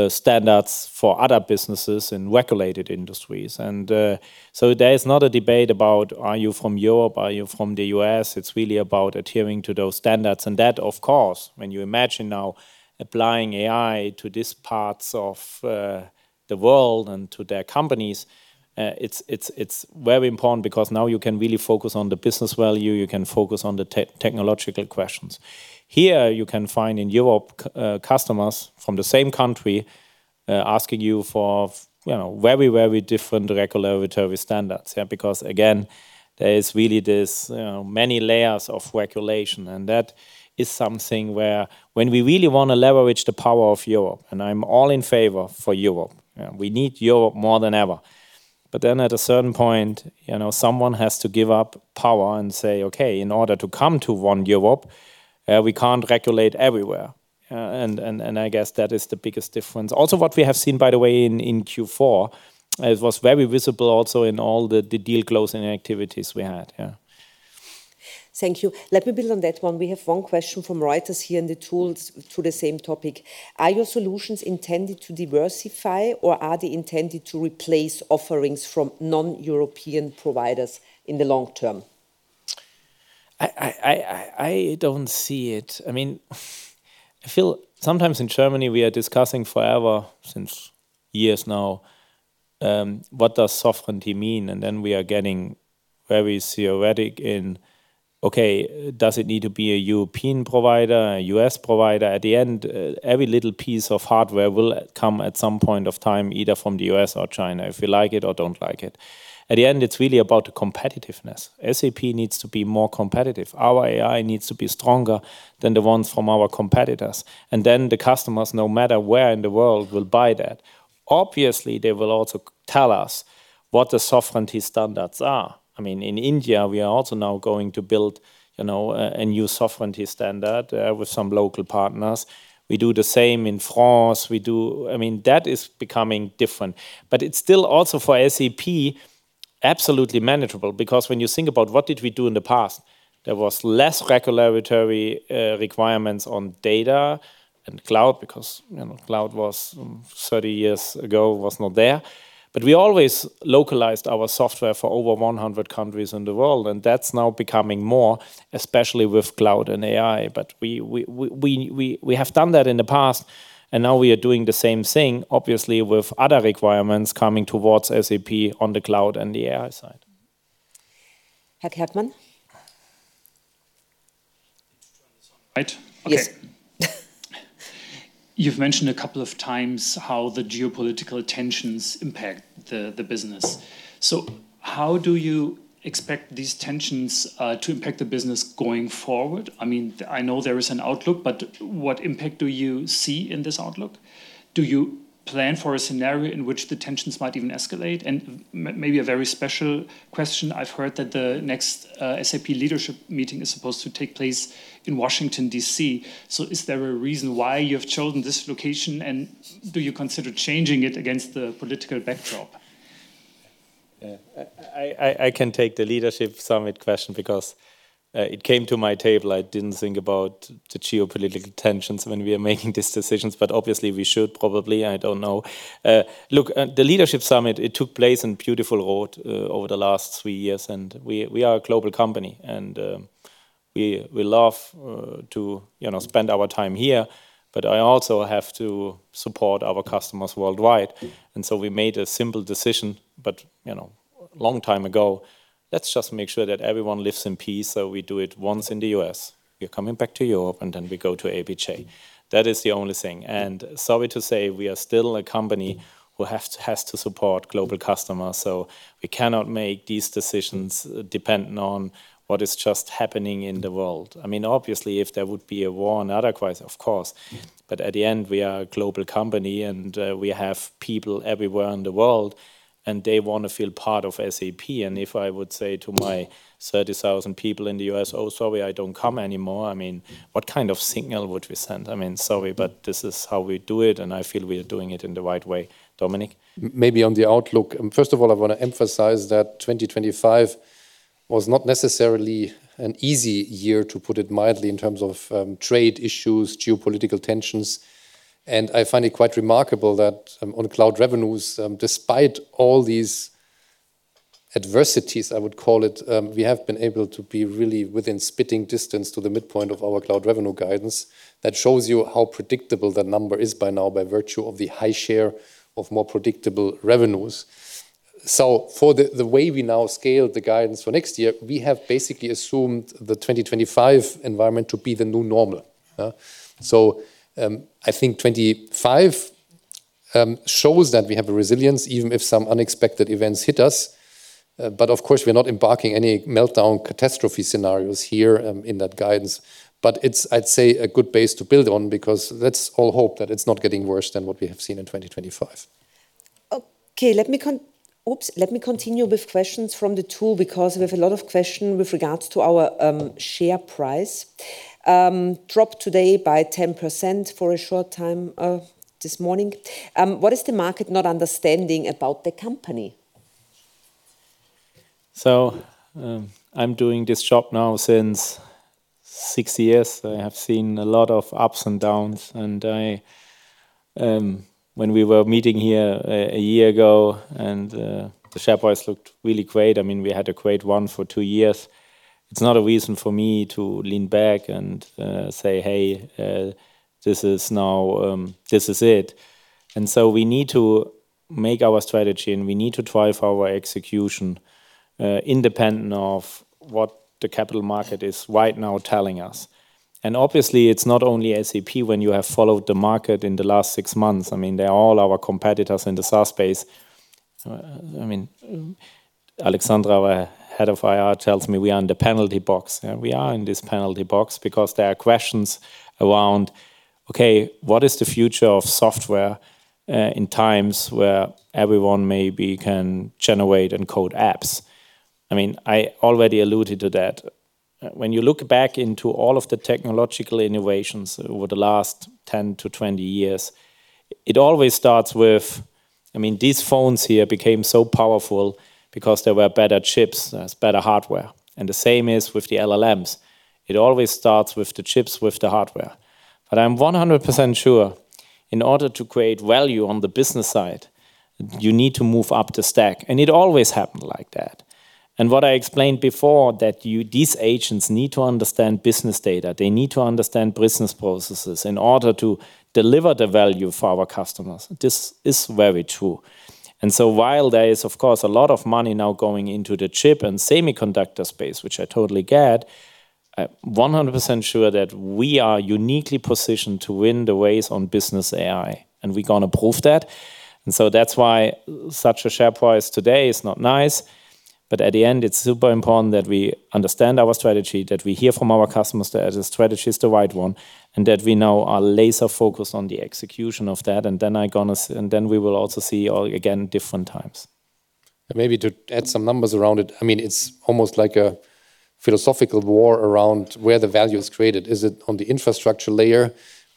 standards for other businesses in regulated industries. And so there is not a debate about: Are you from Europe? Are you from the U.S.? It's really about adhering to those standards. And that, of course, when you imagine now applying AI to these parts of the world and to their companies, it's very important because now you can really focus on the business value, you can focus on the technological questions. Here, you can find in Europe, customers from the same country asking you for, you know, very, very different regulatory standards, yeah. Because, again, there is really this, you know, many layers of regulation, and that is something where when we really want to leverage the power of Europe, and I'm all in favor for Europe, yeah, we need Europe more than ever. But then at a certain point, you know, someone has to give up power and say: "Okay, in order to come to one Europe, we can't regulate everywhere." And I guess that is the biggest difference. Also, what we have seen, by the way, in Q4, it was very visible also in all the deal closing activities we had. Yeah. Thank you. Let me build on that one. We have one question from Reuters here in the room to the same topic: Are your solutions intended to diversify, or are they intended to replace offerings from non-European providers in the long term? I don't see it. I mean, I feel sometimes in Germany, we are discussing forever, since years now, what does sovereignty mean? And then we are getting very theoretical in, okay, does it need to be a European provider, a U.S. provider? At the end, every little piece of hardware will come at some point of time, either from the U.S. or China, if we like it or don't like it. At the end, it's really about the competitiveness. SAP needs to be more competitive. Our AI needs to be stronger than the ones from our competitors, and then the customers, no matter where in the world, will buy that. Obviously, they will also tell us what the sovereignty standards are. I mean, in India, we are also now going to build, you know, a new sovereignty standard, with some local partners. We do the same in France. We do, I mean, that is becoming different, but it's still also, for SAP, absolutely manageable, because when you think about what did we do in the past, there was less regulatory requirements on data and cloud, because, you know, cloud was 30 years ago was not there. But we always localized our software for over 100 countries in the world, and that's now becoming more, especially with cloud and AI. But we have done that in the past, and now we are doing the same thing, obviously, with other requirements coming towards SAP on the cloud and the AI side. Herr Kerkmann? Right? Yes. You've mentioned a couple of times how the geopolitical tensions impact the, the business. So how do you expect these tensions to impact the business going forward? I mean, I know there is an outlook, but what impact do you see in this outlook? Do you plan for a scenario in which the tensions might even escalate? And maybe a very special question, I've heard that the next SAP leadership meeting is supposed to take place in Washington, D.C. So is there a reason why you have chosen this location, and do you consider changing it against the political backdrop? I can take the leadership summit question because it came to my table. I didn't think about the geopolitical tensions when we are making these decisions, but obviously we should probably, I don't know. Look, the leadership summit, it took place in beautiful Walldorf over the last three years, and we are a global company, and we love to, you know, spend our time here. But I also have to support our customers worldwide, and so we made a simple decision. You know, long time ago, let's just make sure that everyone lives in peace, so we do it once in the U.S. We're coming back to Europe, and then we go to APJ. That is the only thing, and sorry to say, we are still a company who has to support global customers, so we cannot make these decisions dependent on what is just happening in the world. I mean, obviously, if there would be a war and otherwise, of course, but at the end, we are a global company, and we have people everywhere in the world, and they want to feel part of SAP. And if I would say to my 30,000 people in the U.S., "Oh, sorry, I don't come anymore," I mean, what kind of signal would we send? I mean, sorry, but this is how we do it, and I feel we are doing it in the right way. Dominik? Maybe on the outlook, first of all, I want to emphasize that 2025 was not necessarily an easy year, to put it mildly, in terms of trade issues, geopolitical tensions. And I find it quite remarkable that on cloud revenues, despite all these adversities, I would call it, we have been able to be really within spitting distance to the midpoint of our cloud revenue guidance. That shows you how predictable that number is by now, by virtue of the high share of more predictable revenues. So for the way we now scale the guidance for next year, we have basically assumed the 2025 environment to be the new normal? So I think 2025 shows that we have a resilience, even if some unexpected events hit us. But of course, we're not embarking any meltdown catastrophe scenarios here, in that guidance. But it's, I'd say, a good base to build on because let's all hope that it's not getting worse than what we have seen in 2025. Okay, oops! Let me continue with questions from the tool, because we have a lot of questions with regards to our share price dropped today by 10% for a short time this morning. What is the market not understanding about the company? So, I'm doing this job now since six years. I have seen a lot of ups and downs, and I, when we were meeting here a year ago, and the share price looked really great, I mean, we had a great one for two years. It's not a reason for me to lean back and say, "Hey, this is now this is it." And so we need to make our strategy, and we need to drive our execution, independent of what the capital market is right now telling us. And obviously, it's not only SAP when you have followed the market in the last six months. I mean, they're all our competitors in the SaaS space. So, I mean, Alexandra, our head of IR, tells me we are in the penalty box, and we are in this penalty box because there are questions around, okay, what is the future of software in times where everyone maybe can generate and code apps? I mean, I already alluded to that. When you look back into all of the technological innovations over the last 10-20 years, it always starts with... I mean, these phones here became so powerful because there were better chips, better hardware, and the same is with the LLMs. It always starts with the chips, with the hardware. But I'm 100% sure, in order to create value on the business side, you need to move up the stack, and it always happened like that. And what I explained before, that you—these agents need to understand business data. They need to understand business processes in order to deliver the value for our customers. This is very true. And so while there is, of course, a lot of money now going into the chip and semiconductor space, which I totally get, I'm 100% sure that we are uniquely positioned to win the race on business AI, and we're gonna prove that. And so that's why such a share price today is not nice, but at the end, it's super important that we understand our strategy, that we hear from our customers that the strategy is the right one, and that we now are laser focused on the execution of that, and then we will also see all, again, different times. And maybe to add some numbers around it, I mean, it's almost like a philosophical war around where the value is created. Is it on the infrastructure layer,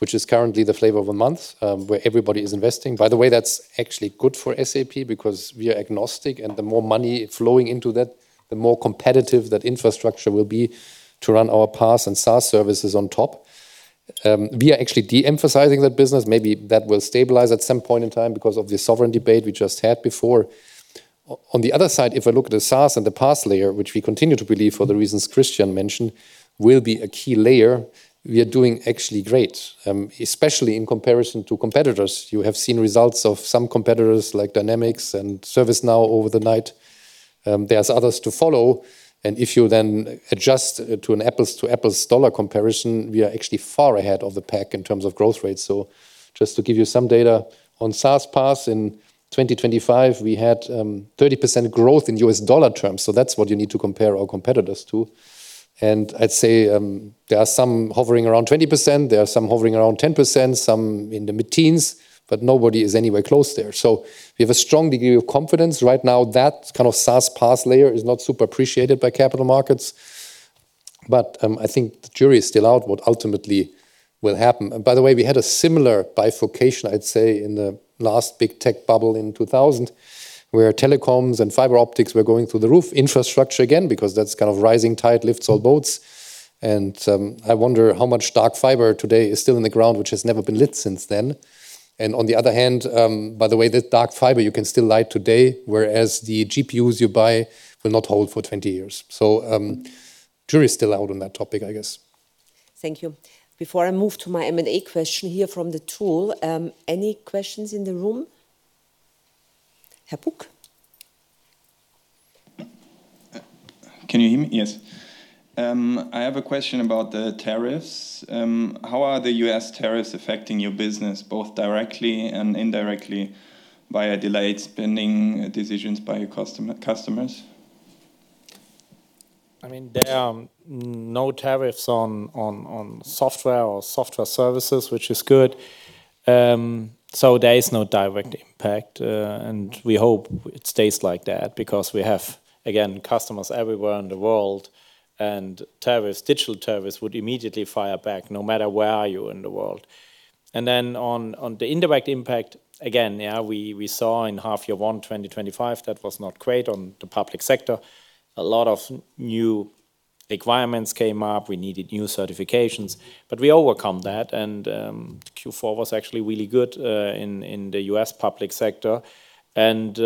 which is currently the flavor of the month, where everybody is investing? By the way, that's actually good for SAP because we are agnostic, and the more money flowing into that, the more competitive that infrastructure will be to run our PaaS and SaaS services on top. We are actually de-emphasizing that business. Maybe that will stabilize at some point in time because of the sovereign debate we just had before. On the other side, if I look at the SaaS and the PaaS layer, which we continue to believe for the reasons Christian mentioned, will be a key layer, we are doing actually great, especially in comparison to competitors. You have seen results of some competitors, like Dynamics and ServiceNow, overnight. There's others to follow, and if you then adjust to an apples-to-apples dollar comparison, we are actually far ahead of the pack in terms of growth rate. So just to give you some data, on SaaS, PaaS in 2025, we had 30% growth in U.S. dollar terms, so that's what you need to compare our competitors to. And I'd say, there are some hovering around 20%, there are some hovering around 10%, some in the mid-teens, but nobody is anywhere close there. So we have a strong degree of confidence right now. That kind of SaaS, PaaS layer is not super appreciated by capital markets... but, I think the jury is still out what ultimately will happen. And by the way, we had a similar bifurcation, I'd say, in the last big tech bubble in 2000, where telecoms and fiber optics were going through the roof. Infrastructure again, because that's kind of rising tide lifts all boats, and I wonder how much dark fiber today is still in the ground, which has never been lit since then. And on the other hand, by the way, this dark fiber you can still light today, whereas the GPUs you buy will not hold for 20 years. So, jury's still out on that topic, I guess. Thank you. Before I move to my M&A question here from the tool, any questions in the room? Herr Buck? Can you hear me? Yes. I have a question about the tariffs. How are the U.S. tariffs affecting your business, both directly and indirectly, via delayed spending decisions by your customers? I mean, there are no tariffs on software or software services, which is good. So there is no direct impact, and we hope it stays like that because we have, again, customers everywhere in the world, and tariffs, digital tariffs, would immediately fire back, no matter where are you in the world. And then on the indirect impact, again, yeah, we saw in H1 2025, that was not great on the public sector. A lot of new requirements came up. We needed new certifications, but we overcome that, and Q4 was actually really good in the U.S. public sector. And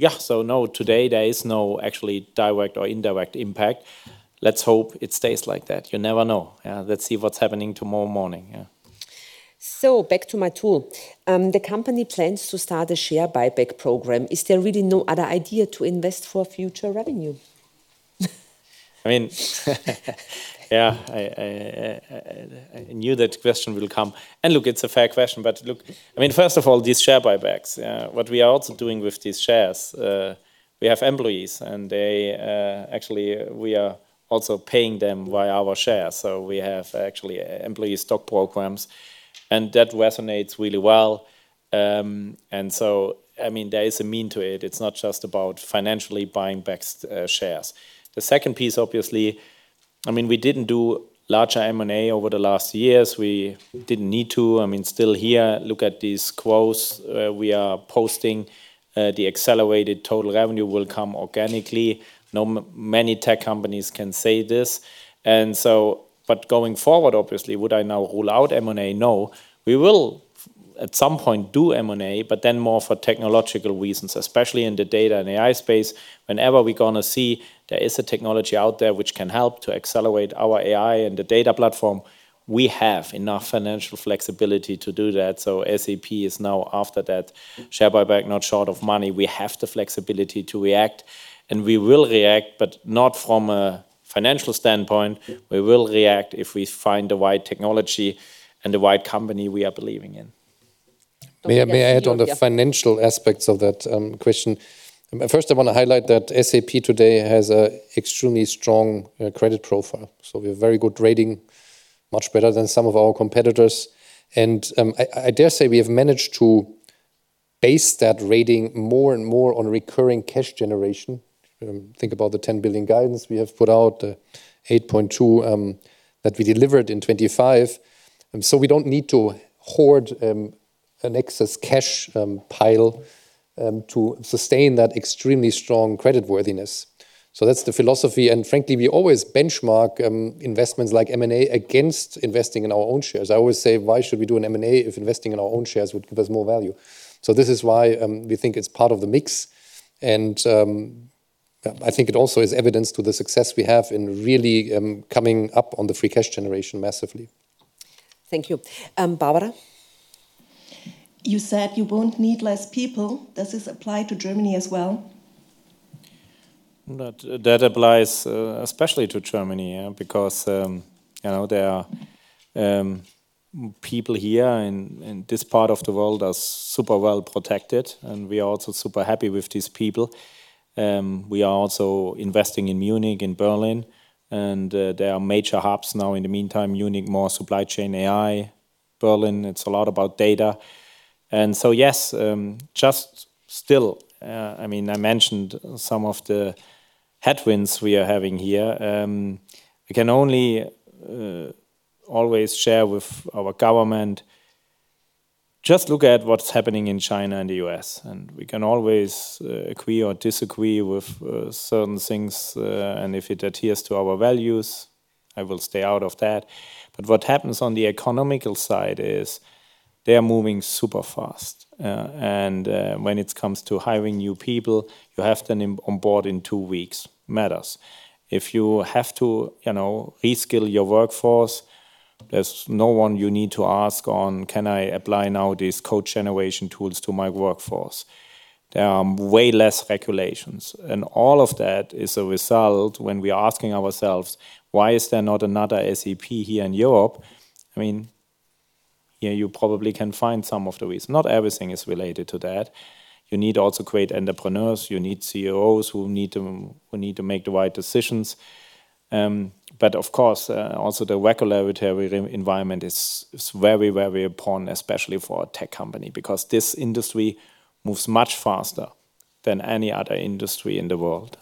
yeah, so no, today there is no actually direct or indirect impact. Let's hope it stays like that. You never know. Let's see what's happening tomorrow morning. Yeah. So back to my tool. The company plans to start a share buyback program. Is there really no other idea to invest for future revenue? I mean, yeah, I knew that question will come. And look, it's a fair question. But look, I mean, first of all, these share buybacks, what we are also doing with these shares, we have employees, and they actually, we are also paying them via our shares. So we have actually employee stock programs, and that resonates really well. And so, I mean, there is a mean to it. It's not just about financially buying back shares. The second piece, obviously, I mean, we didn't do larger M&A over the last years. We didn't need to. I mean, still here, look at these quotes, we are posting. The accelerated total revenue will come organically. No many tech companies can say this, and so. But going forward, obviously, would I now rule out M&A? No. We will, at some point, do M&A, but then more for technological reasons, especially in the data and AI space. Whenever we're gonna see there is a technology out there which can help to accelerate our AI and the data platform, we have enough financial flexibility to do that. So SAP is now after that share buyback, not short of money. We have the flexibility to react, and we will react, but not from a financial standpoint. We will react if we find the right technology and the right company we are believing in. May I add on the- Yeah... financial aspects of that, question? First, I want to highlight that SAP today has an extremely strong credit profile, so we have very good rating, much better than some of our competitors. I dare say we have managed to base that rating more and more on recurring cash generation. Think about the 10 billion guidance we have put out, the 8.2 billion that we delivered in 2025. So we don't need to hoard an excess cash pile to sustain that extremely strong creditworthiness. So that's the philosophy, and frankly, we always benchmark investments like M&A against investing in our own shares. I always say: Why should we do an M&A if investing in our own shares would give us more value? So this is why we think it's part of the mix, and I think it also is evidence to the success we have in really coming up on the free cash generation massively. Thank you. Barbara? You said you won't need less people. Does this apply to Germany as well? That, that applies especially to Germany, yeah, because you know, there are people here in this part of the world are super well protected, and we are also super happy with these people. We are also investing in Munich and Berlin, and there are major hubs now. In the meantime, Munich, more supply chain AI. Berlin, it's a lot about data. And so yes, just still, I mean, I mentioned some of the headwinds we are having here. We can only always share with our government. Just look at what's happening in China and the U.S., and we can always agree or disagree with certain things, and if it adheres to our values, I will stay out of that. But what happens on the economical side is they are moving super fast, and when it comes to hiring new people, you have them on board in two weeks. Matters. If you have to, you know, reskill your workforce, there's no one you need to ask on, "Can I apply now these code generation tools to my workforce?" There are way less regulations, and all of that is a result when we are asking ourselves: Why is there not another SAP here in Europe? I mean, yeah, you probably can find some of the reasons. Not everything is related to that. You need also great entrepreneurs. You need CEOs who need to, who need to make the right decisions. But of course, also the regulatory environment is, is very, very important, especially for a tech company, because this industry moves much faster. Than any other industry in the world.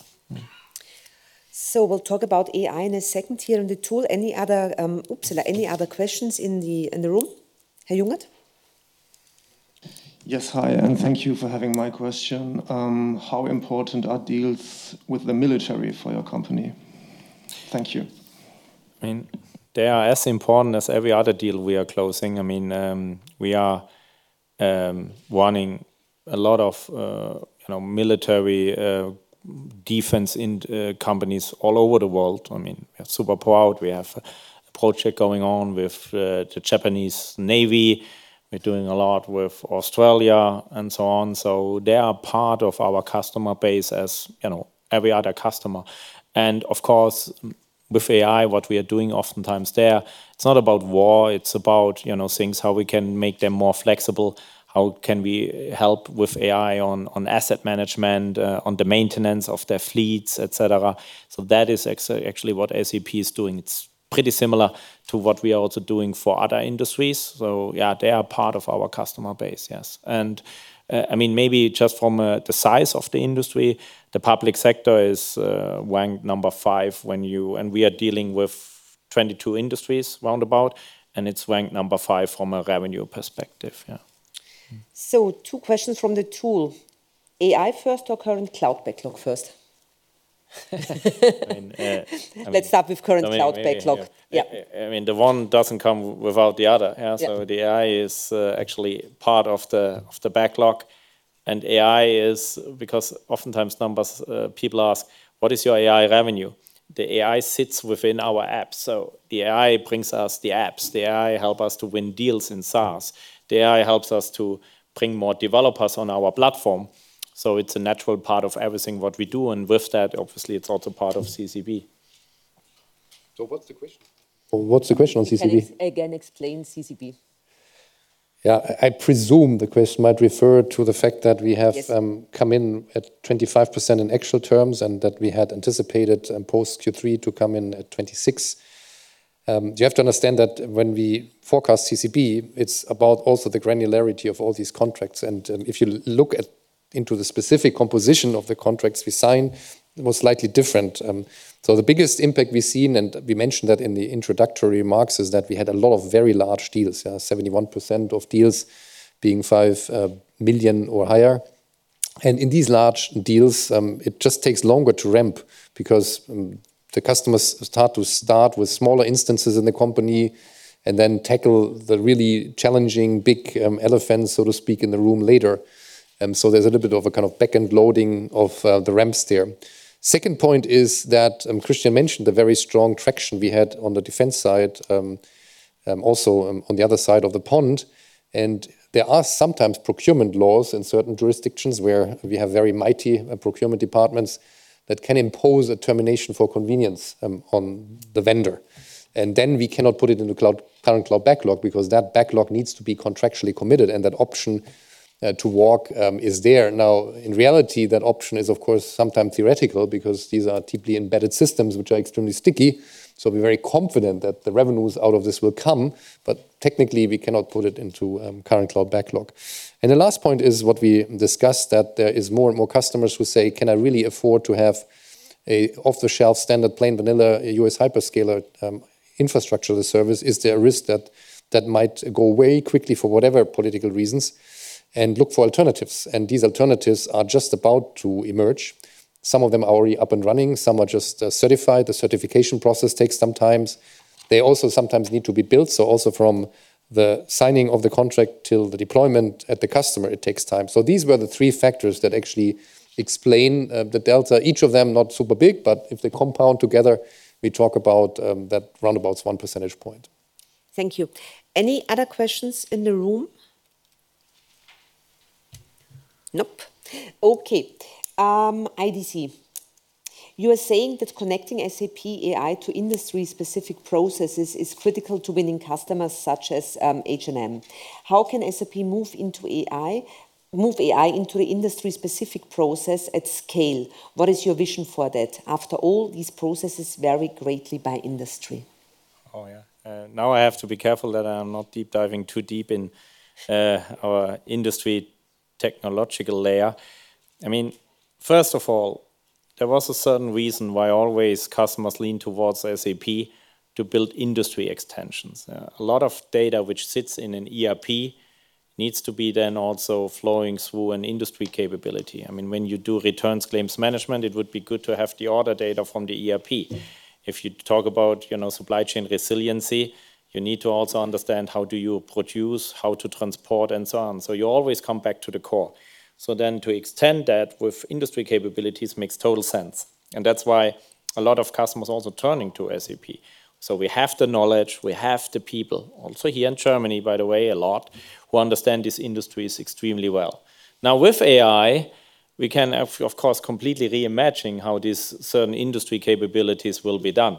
So we'll talk about AI in a second here in the tool. Any other questions in the room? Herr Jungert? Yes. Hi, and thank you for having my question. How important are deals with the military for your company? Thank you. I mean, they are as important as every other deal we are closing. I mean, we are winning a lot of, you know, military, defense in companies all over the world. I mean, we are super proud. We have a project going on with the Japanese Navy. We're doing a lot with Australia, and so on. So they are part of our customer base, as, you know, every other customer. And of course, with AI, what we are doing oftentimes there, it's not about war, it's about, you know, things, how we can make them more flexible, how can we help with AI on asset management, on the maintenance of their fleets, et cetera. So that is actually what SAP is doing. It's pretty similar to what we are also doing for other industries. So yeah, they are part of our customer base, yes. And, I mean, maybe just from the size of the industry, the public sector is ranked number five when you... And we are dealing with 22 industries roundabout, and it's ranked number five from a revenue perspective. Yeah. Two questions from the tool. AI first or Current Cloud Backlog first? I mean, Let's start with Current Cloud Backlog. I mean- Yeah. I mean, the one doesn't come without the other, yeah? Yeah. So the AI is actually part of the backlog, and AI is... Because oftentimes, numbers, people ask: "What is your AI revenue?" The AI sits within our apps, so the AI brings us the apps. The AI help us to win deals in SaaS. The AI helps us to bring more developers on our platform, so it's a natural part of everything what we do, and with that, obviously, it's also part of CCB. So what's the question? What's the question on CCB? Can you again explain CCB? Yeah. I presume the question might refer to the fact that we have- Yes... come in at 25% in actual terms, and that we had anticipated, post Q3 to come in at 26. You have to understand that when we forecast CCB, it's about also the granularity of all these contracts, and, if you look into the specific composition of the contracts we sign, they were slightly different. So the biggest impact we've seen, and we mentioned that in the introductory remarks, is that we had a lot of very large deals. Yeah. 71% of deals being 5 million or higher. And in these large deals, it just takes longer to ramp because, the customers start with smaller instances in the company and then tackle the really challenging, big, elephant, so to speak, in the room later. So there's a little bit of a kind of back-end loading of the ramps there. Second point is that Christian mentioned the very strong traction we had on the defense side, also on the other side of the pond, and there are sometimes procurement laws in certain jurisdictions where we have very mighty procurement departments that can impose a termination for convenience on the vendor, and then we cannot put it in the cloud Current Cloud Backlog because that backlog needs to be contractually committed, and that option to walk is there. Now, in reality, that option is, of course, sometimes theoretical because these are deeply embedded systems which are extremely sticky. So we're very confident that the revenues out of this will come, but technically, we cannot put it into Current Cloud Backlog. The last point is what we discussed, that there is more and more customers who say: "Can I really afford to have a off-the-shelf, standard, plain, vanilla, U.S. hyperscaler, infrastructure as a service? Is there a risk that might go away quickly for whatever political reasons, and look for alternatives?" These alternatives are just about to emerge. Some of them are already up and running, some are just certified. The certification process takes some times. They also sometimes need to be built, so also from the signing of the contract till the deployment at the customer, it takes time. These were the three factors that actually explain the delta. Each of them, not super big, but if they compound together, we talk about that round about one percentage point. Thank you. Any other questions in the room? Nope. Okay. IDC, you are saying that connecting SAP AI to industry-specific processes is critical to winning customers such as, H&M. How can SAP move into AI- move AI into the industry-specific process at scale? What is your vision for that? After all, these processes vary greatly by industry. Oh, yeah. Now I have to be careful that I am not deep diving too deep in our industry technological layer. I mean, first of all, there was a certain reason why always customers lean towards SAP to build industry extensions. A lot of data which sits in an ERP needs to be then also flowing through an industry capability. I mean, when you do returns claims management, it would be good to have the order data from the ERP. If you talk about, you know, supply chain resiliency, you need to also understand how do you produce, how to transport, and so on. So you always come back to the core. So then to extend that with industry capabilities makes total sense, and that's why a lot of customers are also turning to SAP. So we have the knowledge, we have the people, also here in Germany, by the way, a lot, who understand these industries extremely well. Now, with AI, we can, of course, completely reimagining how these certain industry capabilities will be done.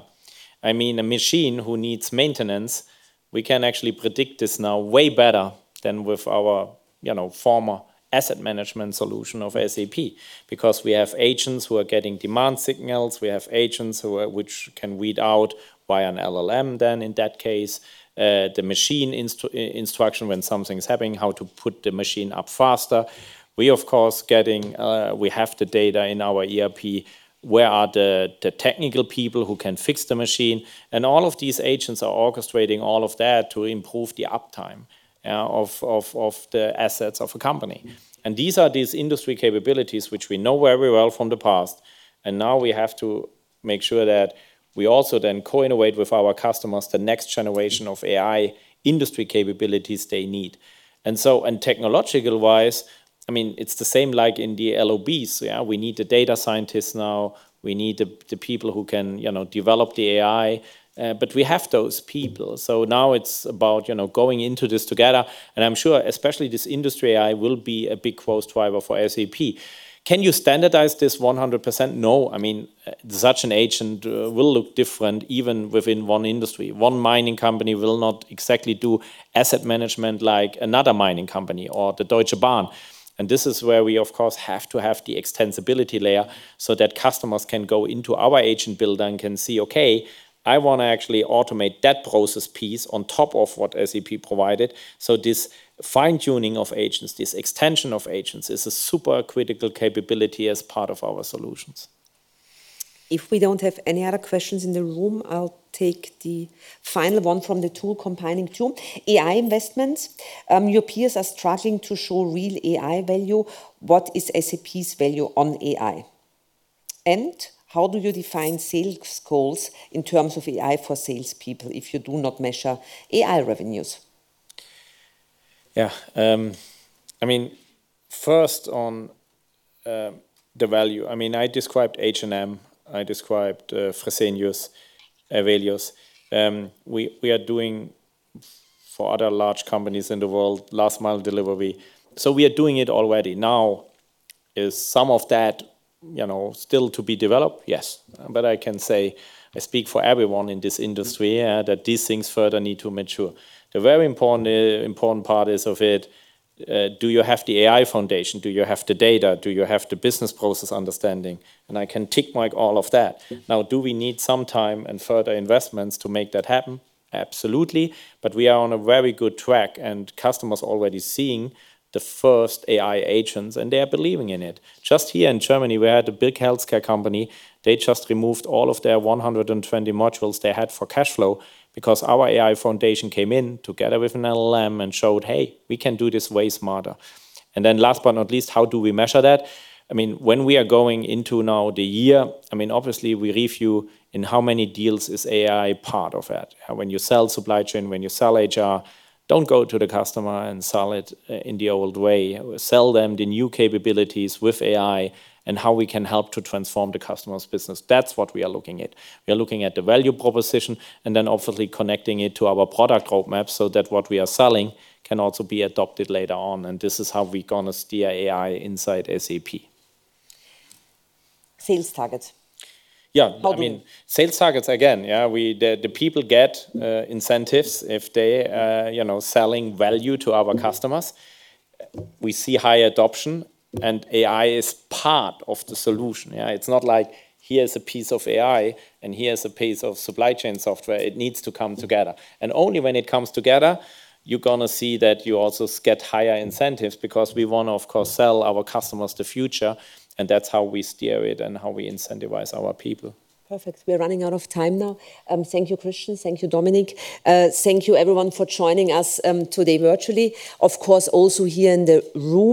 I mean, a machine who needs maintenance—we can actually predict this now way better than with our, you know, former asset management solution of SAP, because we have agents who are getting demand signals. We have agents who are, which can read out by an LLM, then in that case, the machine instruction when something's happening, how to put the machine up faster. We, of course, getting, we have the data in our ERP, where are the technical people who can fix the machine? And all of these agents are orchestrating all of that to improve the uptime of the assets of a company. And these are these industry capabilities, which we know very well from the past, and now we have to make sure that we also then co-innovate with our customers, the next generation of AI industry capabilities they need. And so, and technological-wise, I mean, it's the same like in the LOBs, yeah? We need the data scientists now, we need the people who can, you know, develop the AI, but we have those people. So now it's about, you know, going into this together, and I'm sure, especially this industry, AI will be a big growth driver for SAP. Can you standardize this 100%? No. I mean, such an agent will look different even within one industry. One mining company will not exactly do asset management like another mining company or the Deutsche Bahn. This is where we, of course, have to have the extensibility layer so that customers can go into our agent builder and can see, "Okay, I want to actually automate that process piece on top of what SAP provided." This fine-tuning of agents, this extension of agents, is a super critical capability as part of our solutions. If we don't have any other questions in the room, I'll take the final one from the tool, combining two. AI investments. Your peers are struggling to show real AI value. What is SAP's value on AI? And how do you define sales goals in terms of AI for salespeople if you do not measure AI revenues? Yeah. I mean, first on the value, I mean, I described H&M, I described Fresenius, Evonik. We are doing for other large companies in the world last mile delivery, so we are doing it already. Now, is some of that, you know, still to be developed? Yes. But I can say, I speak for everyone in this industry, yeah, that these things further need to mature. The very important, important part is of it, do you have the AI Foundation? Do you have the data? Do you have the business process understanding? And I can tick-mark all of that. Now, do we need some time and further investments to make that happen? Absolutely. But we are on a very good track, and customers are already seeing the first AI agents, and they are believing in it. Just here in Germany, we had a big healthcare company, they just removed all of their 120 modules they had for cash flow because our AI Foundation came in together with an LLM and showed, "Hey, we can do this way smarter." And then last but not least, how do we measure that? I mean, when we are going into now the year, I mean, obviously, we review in how many deals is AI part of it. When you sell supply chain, when you sell HR, don't go to the customer and sell it in the old way. Sell them the new capabilities with AI and how we can help to transform the customer's business. That's what we are looking at. We are looking at the value proposition, and then obviously connecting it to our product roadmap, so that what we are selling can also be adopted later on, and this is how we're gonna steer AI inside SAP. Sales targets. Yeah. How do you- I mean, sales targets, again, yeah, we... The people get incentives if they, you know, selling value to our customers. We see high adoption, and AI is part of the solution. Yeah, it's not like, here's a piece of AI and here's a piece of supply chain software. It needs to come together. And only when it comes together, you're gonna see that you also get higher incentives, because we want to, of course, sell our customers the future, and that's how we steer it and how we incentivize our people. Perfect. We're running out of time now. Thank you, Christian. Thank you, Dominik. Thank you, everyone, for joining us today virtually. Of course, also here in the room-